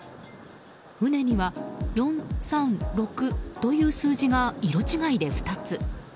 船には４３６という数字が色違いで２つ。